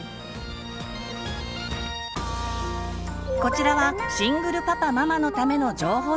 こちらはシングルパパママのための情報サイトです。